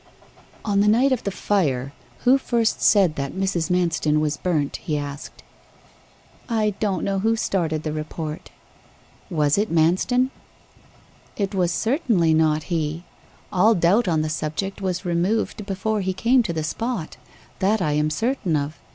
'On the night of the fire, who first said that Mrs. Manston was burnt?' he asked. 'I don't know who started the report.' 'Was it Manston?' 'It was certainly not he. All doubt on the subject was removed before he came to the spot that I am certain of.